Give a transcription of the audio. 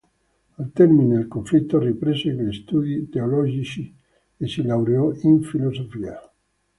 Al termine del conflitto riprese gli studi teologici e si laureò in filosofia.